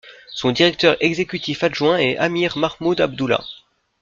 Son Directeur Exécutif Adjoint est Amir Mahmoud Abdulla.